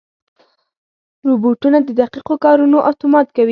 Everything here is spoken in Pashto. روبوټونه د دقیقو کارونو اتومات کوي.